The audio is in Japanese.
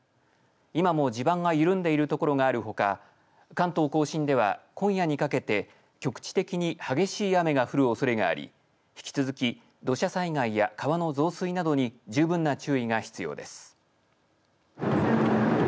今も地盤が緩んでいる所があるほか関東甲信では、今夜にかけて局地的に激しい雨が降るおそれがあり引き続き土砂災害や川の増水などに十分な注意が必要です。